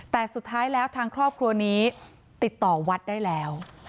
แต่สุดท้ายแล้วทางครอบครัวนี้ติดต่อวัดได้แล้ว